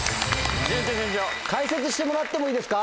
順調順調！解説してもらってもいいですか？